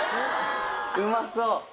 うまそう！